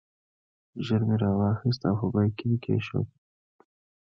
ژر مې راواخیست او په بیک کې مې کېښود.